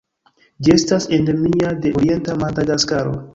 Ĝi estas endemia de orienta Madagaskaro.